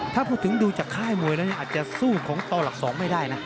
ถ้าพูดถึงดูจากค่ายมวยแล้วเนี่ยอาจจะสู้ของต่อหลัก๒ไม่ได้นะ